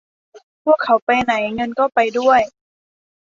พวกเขาไปไหนเงินก็ไปด้วย